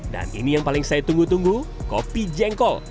dan ini yang paling saya tunggu tunggu kopi jengkol